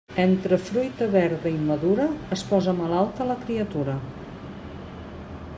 Entre fruita verda i madura, es posa malalta la criatura.